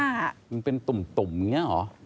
มันเป็นตุ่มอย่างนี้เหรอ